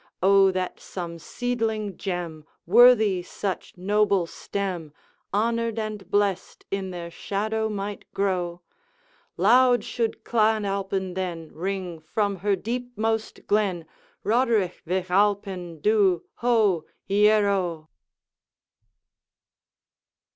O that some seedling gem, Worthy such noble stem, Honored and blessed in their shadow might grow! Loud should Clan Alpine then Ring from her deepmost glen, Roderigh Vich Alpine dhu, ho! ieroe!'